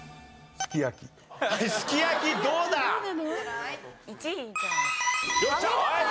すき焼きどうなの？